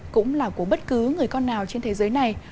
cũng là của bất cứ người con nào trên thế giới này